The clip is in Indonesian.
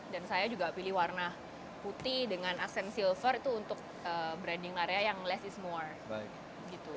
dan saya juga pilih warna putih dengan aksen silver itu untuk branding l'area yang less is more